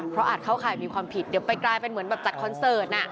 เพราะอาจเข้าข่ายมีความผิดเดี๋ยวไปกลายเป็นเหมือนแบบจัดคอนเสิร์ตน่ะ